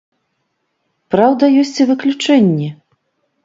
Праўда ёсць і выключэнні.